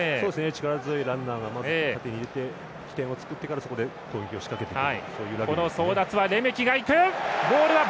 力強いランで起点を作ってからそこで攻撃を仕掛けてくる。